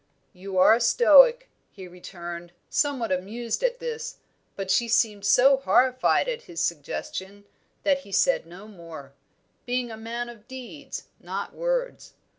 "You are a Stoic," he returned, somewhat amused at this; but she seemed so horrified at his suggestion that he said no more being a man of deeds, not words.